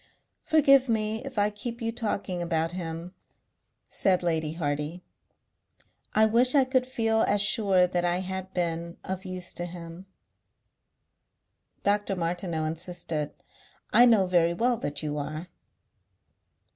"Forgive me if I keep you talking about him," said Lady Hardy. "I wish I could feel as sure that I had been of use to him." Dr. Martineau insisted. "I know very well that you are."